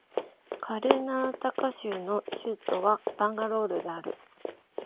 カルナータカ州の州都はバンガロールである